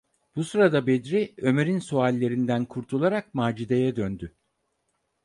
Bu sırada Bedri, Ömer’in suallerinden kurtularak Macide’ye döndü: